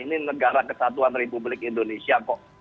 ini negara kesatuan republik indonesia kok